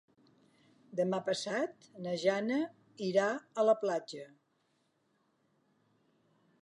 Demà passat na Jana irà a la platja.